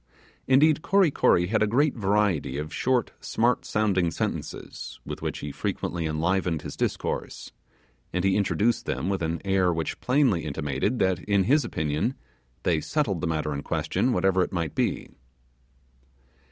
Indeed, Kory Kory had a great variety of short, smart sounding sentences, with which he frequently enlivened his discourse; and he introduced them with an air which plainly intimated, that in his opinion, they settled the matter in question, whatever it might be.